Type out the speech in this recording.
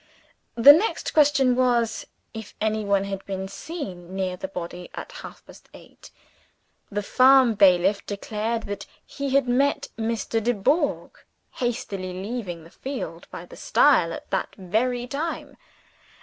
The next question was if any one had been seen near the body at half past eight? The farm bailiff declared that he had met Mr. Dubourg hastily leaving the field by the stile at that very time.